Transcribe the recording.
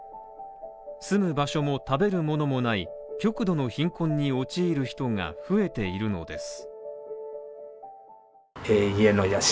住む場所も食べるものもない極度の貧困に陥る人が増えているのです。